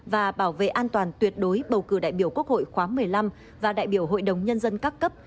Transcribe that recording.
và bảo vệ an toàn tuyệt đối bầu cử đại biểu quốc hội khóa một mươi năm và đại biểu hội đồng nhân dân các cấp